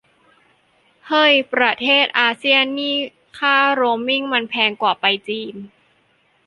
เฮ้ยประเทศอาเซียนนี่ค่าโรมมิ่งมันแพงกว่าไปจีน